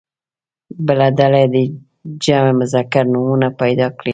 بله ډله دې جمع مذکر نومونه پیدا کړي.